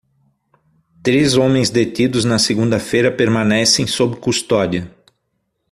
Três homens detidos na segunda-feira permanecem sob custódia.